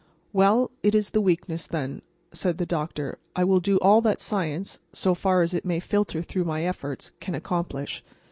"Well, it is the weakness, then," said the doctor. "I will do all that science, so far as it may filter through my efforts, can accomplish.